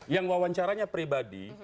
yang wawancaranya pribadi